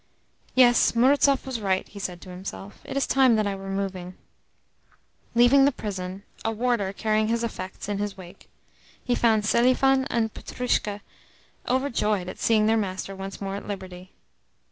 "Yes, Murazov was right," he said to himself. "It is time that I were moving." Leaving the prison a warder carrying his effects in his wake he found Selifan and Petrushka overjoyed at seeing their master once more at liberty.